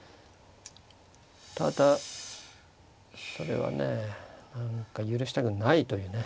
ただこれはね何か許したくないというね。